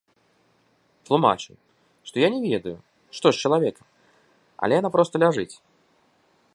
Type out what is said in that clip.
Тлумачу, што я не ведаю, што з чалавекам, але яна проста ляжыць.